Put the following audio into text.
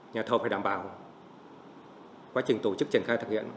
nhà thầu phải đảm bảo quá trình tổ chức triển khai thực hiện